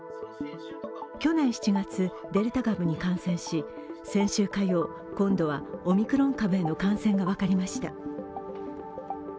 去年７月、デルタ株に感染し、先週火曜、今度はオミクロン株への感染が分かりました。